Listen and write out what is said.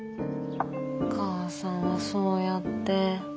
お母さんはそうやって。